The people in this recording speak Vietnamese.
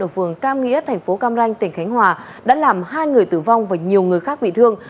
ở phường cam nghĩa thành phố cam ranh tỉnh khánh hòa đã làm hai người tử vong và nhiều người khác bị thương